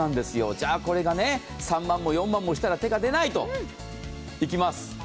じゃあ、これが３万も４万もしたら手が出ないと。